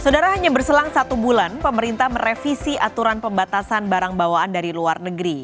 saudara hanya berselang satu bulan pemerintah merevisi aturan pembatasan barang bawaan dari luar negeri